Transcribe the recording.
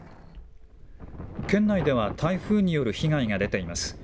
県内では台風による被害が出ています。